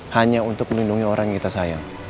hanya untuk melindungi orang yang kita sayang